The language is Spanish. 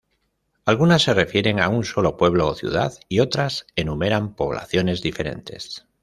Algunas se refieren a un solo pueblo o ciudad y otras enumeran poblaciones diferentes.